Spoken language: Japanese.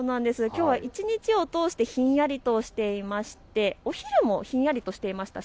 きょうは一日を通してひんやりとしていてお昼もひんやりとしていました。